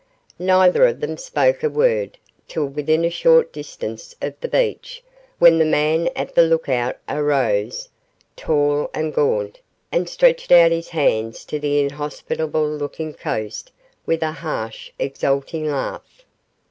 Neither of them spoke a word till within a short distance of the beach, when the man at the look out arose, tall and gaunt, and stretched out his hands to the inhospitable looking coast with a harsh, exulting laugh.